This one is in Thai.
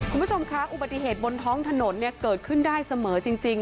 คุณผู้ชมคะอุบัติเหตุบนท้องถนนเนี่ยเกิดขึ้นได้เสมอจริง